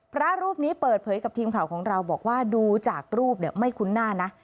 พระรูปนี้เปิดเผยกับทีมข่าวของเราบอกว่าดูจากรูปไม่คุ้นหน้านะ